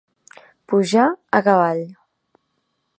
Pujar a cavall.